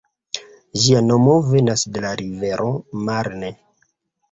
Ĝia nomo venas de la rivero Marne.